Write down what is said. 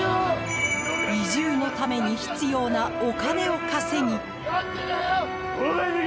移住のために必要なお金を稼ぎやってたよ！